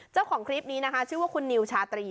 เจ้าของคลิปนี้นะคะชื่อว่าคุณนิวชาตรี